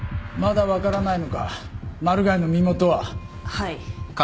はい。